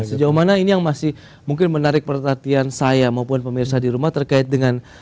sejauh mana ini yang masih mungkin menarik perhatian saya maupun pemirsa di rumah terkait dengan